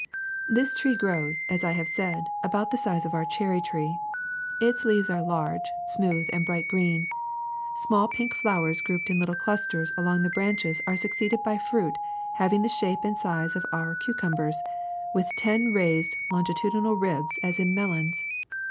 ^^This tree grows, as I said, to about the size of our cherry tree. Its leaves are large, smooth, and bright green. Small pink flowers grouped in little clusters along the branches are succeeded by fruit having the shape and size of our cucumbers, with ten raised longitudinal ribs as in melons.